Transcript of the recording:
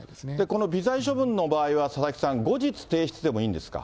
この微罪処分の場合は、佐々木さん、後日提出でもいいんですか？